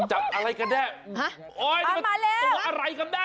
จับอะไรกันเนี่ย